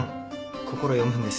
心読むんですよ。